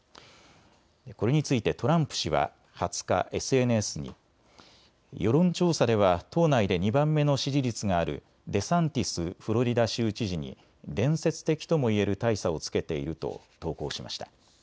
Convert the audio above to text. これについてトランプ氏は２０日、ＳＮＳに世論調査では党内で２番目の支持率があるデサンティス・フロリダ州知事に伝説的とも言える大差をつけていると投稿しました。